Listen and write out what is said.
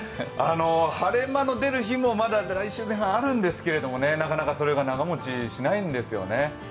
晴れ間の出る日も来週前半、あるんですけどなかなかそれが長もちしないんですよね。